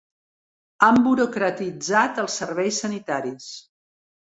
Han burocratitzat els serveis sanitaris.